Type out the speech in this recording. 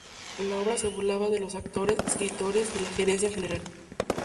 La obra se burlaba de los actores, escritores y la gerencia en general.